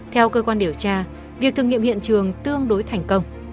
theo cơ quan điều tra việc thử nghiệm hiện trường tương đối thành công